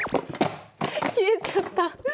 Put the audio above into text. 消えちゃった。